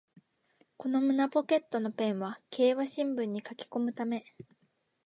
この胸ポケットのペンは競馬新聞に書きこむため